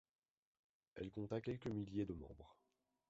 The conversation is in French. Elle compta quelques milliers de membres.